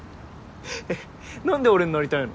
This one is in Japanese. えっ何で俺になりたいの？